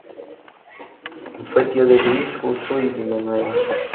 Fue tío de Luis Justo y Villanueva.